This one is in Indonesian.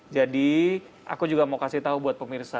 jadi aku juga mau kasih tahu buat pemirsa